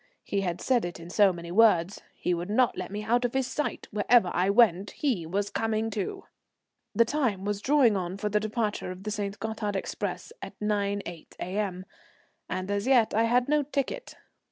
He had said it in so many words. He would not let me out of his sight; wherever I went he was coming too. The time was drawing on for the departure of the St. Gothard express at 9.8 A.M., and as yet I had no ticket.